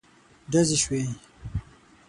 ډزې شوې.